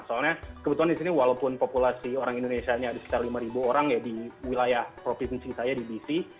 soalnya kebetulan di sini walaupun populasi orang indonesia ini ada sekitar lima orang ya di wilayah provinsi saya di bc